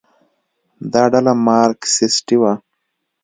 دا ډله مارکسیستي وه.